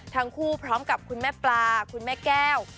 ทั้งคู่พร้อมกับคุณแม่ปลาคุณแม่แก้ว